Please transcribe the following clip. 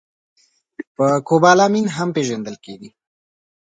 په کوبالامین هم پېژندل کېږي